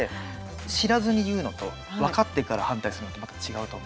知らずに言うのと分かってから反対するのとまた違うと思うので。